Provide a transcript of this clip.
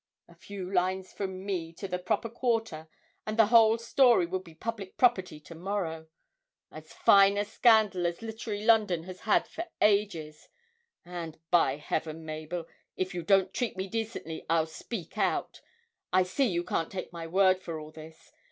A few lines from me to the proper quarter, and the whole story would be public property to morrow as fine a scandal as literary London has had for ages; and, by Heaven, Mabel, if you don't treat me decently, I'll speak out! I see you can't take my word for all this.